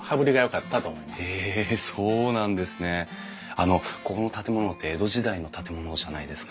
あのここの建物って江戸時代の建物じゃないですか。